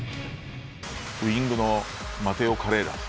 ウイングのマテオ・カレラス。